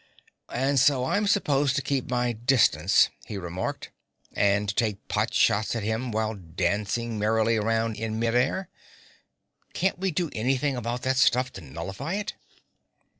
"And so I'm supposed to keep my distance," he remarked, "and take pot shots at him while dancing merrily around in mid air. Can't we do anything about that stuff to nullify it?"